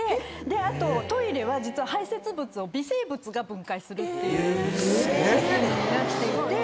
あとトイレは排せつ物を微生物が分解するっていうシステムになっていて。